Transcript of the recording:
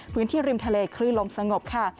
พื้นที่ริมทะเลคลื่นลมสงบค่ะ